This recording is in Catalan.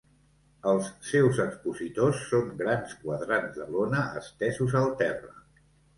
Els seus expositors són grans quadrats de lona estesos al terra.